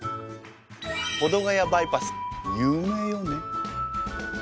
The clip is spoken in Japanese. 保土ヶ谷バイパス有名よね。